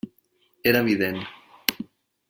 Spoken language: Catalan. Era evident.